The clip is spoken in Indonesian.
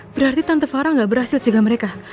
berarti tante farah gak berhasil cegah mereka